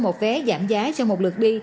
một vé giảm giá cho một lượt đi